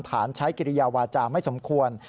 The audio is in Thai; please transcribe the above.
ฐานใช้กิริยาวาจาไม่สมควร